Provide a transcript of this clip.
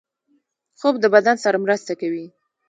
خوب د بدن سره مرسته کوي